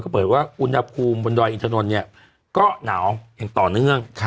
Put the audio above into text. เปิดว่าอุณหภูมิบนดอยอินทนนท์เนี่ยก็หนาวอย่างต่อเนื่อง